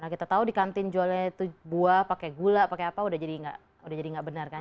kita tahu di kantin jualnya itu buah pakai gula pakai apa udah jadi nggak benar kan